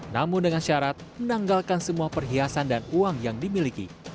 namun dengan syarat menanggalkan semua perhiasan dan uang yang dimiliki